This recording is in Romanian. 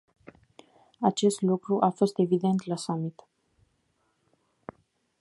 Acest lucru a fost evident la summit.